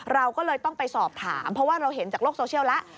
เราก็เลยต้องไปสอบถามเพราะว่าเราเห็นจากโลกโซเชียลแล้ว